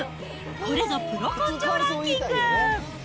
これぞプロ根性ランキング。